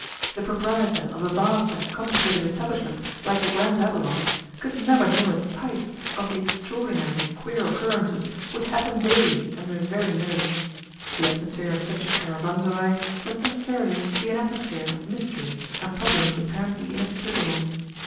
The proprietor of a vast and complicated establishment like the Grand Babylon could never know a tithe of the extraordinary and queer occurrences which happened daily under his very nose; the atmosphere of such a caravanserai must necessarily be an atmosphere of mystery and problems apparently inexplicable.